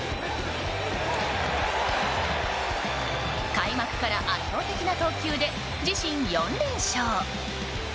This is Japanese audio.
開幕から圧倒的な投球で自身４連勝。